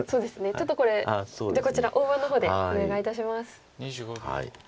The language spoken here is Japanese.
ちょっとこれこちら大盤の方でお願いいたします。